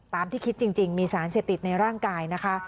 ที่คิดจริงมีสารเสพติดในร่างกายนะคะ